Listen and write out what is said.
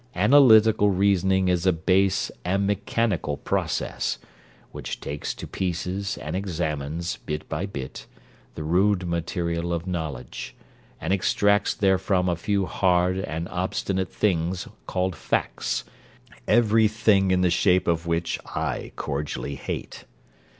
Analytical reasoning is a base and mechanical process, which takes to pieces and examines, bit by bit, the rude material of knowledge, and extracts therefrom a few hard and obstinate things called facts, every thing in the shape of which I cordially hate.